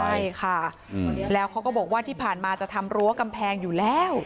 ใช่ค่ะแล้วเขาก็บอกว่าที่ผ่านมาจะทำรั้วกำแพงอยู่แล้ว